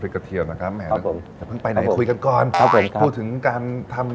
กระเทียมนะครับแหมครับผมอย่าเพิ่งไปไหนคุยกันก่อนครับผมพูดถึงการทำ